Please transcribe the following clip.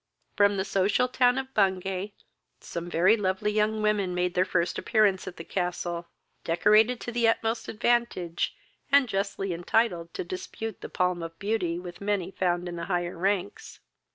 From the social town of Bungay some very lovely young women made their first appearance at the castle, decorated to the utmost advantage, and justly entitled to dispute the palm of beauty with many found in the higher ranks.